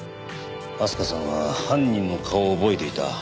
明日香さんは犯人の顔を覚えていた。